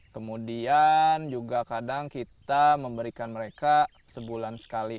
kemudian kita memberikan mereka terapi sebulan sekali